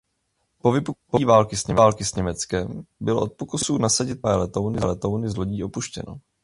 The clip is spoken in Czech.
Po vypuknutí války s Německem bylo od pokusů nasadit problémové letouny z lodí upuštěno.